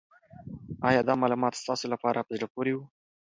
آیا دا معلومات ستاسو لپاره په زړه پورې وو؟